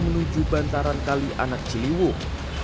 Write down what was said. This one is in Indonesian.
menuju bantaran kali anak ciliwung